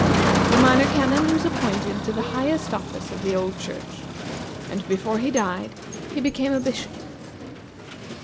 The Minor Canon was appointed to the highest office of the old church, and before he died, he became a bishop.